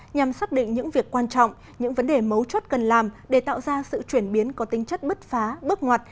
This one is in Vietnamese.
nhằm xác định những việc quan trọng những vấn đề mấu chốt cần làm để tạo ra sự chuyển biến có tính chất bứt phá bước ngoặt